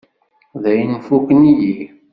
Dayen, fukken-iyi.